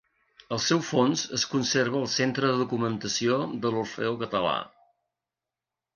El seu fons es conserva al Centre de Documentació de l'Orfeó Català.